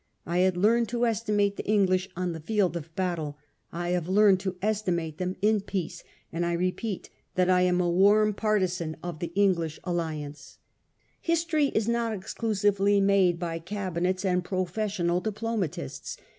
" I had learned to estimate the English on the field of battle ; I have learned to estimate them in peace ; and I repeat that I am a warm partisan of the 1837 8 . THE FIRST JEWISH SHERIFF OF LONDON. 15 English, alliance.' History is not exclusively made by cabinets and professional diplomatists.